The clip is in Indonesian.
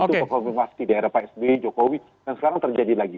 itu kb mas di daerah psb jokowi dan sekarang terjadi lagi